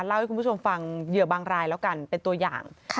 เล่าให้คุณผู้ชมฟังเหยื่อบางรายแล้วกันเป็นตัวอย่าง